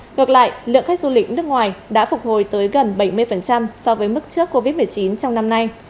ngược lại lượng khách du lịch nước ngoài đã phục hồi tới gần bảy mươi so với mức trước covid một mươi chín trong năm nay